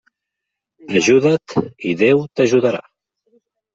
Ajuda't i Déu t'ajudarà.